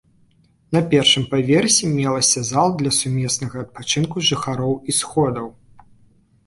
На першым паверсе мелася зала для сумеснага адпачынку жыхароў і сходаў.